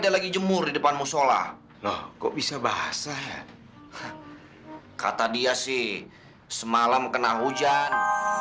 dia lagi jemur di depan musyola loh kok bisa bahasa kata dia sih semalam kena hujan